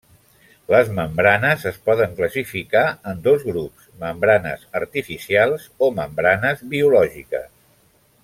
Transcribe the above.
Les membranes es poden classificar en dos grups: membranes artificials o membranes biològiques.